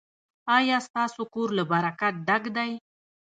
ایا ستاسو کور له برکت ډک دی؟